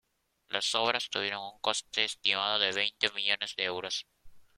Las obras tuvieron un coste estimado de veinte millones de euros.